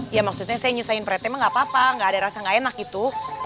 ya maksudnya saya nyusahin pretema gak apa apa nggak ada rasa gak enak gitu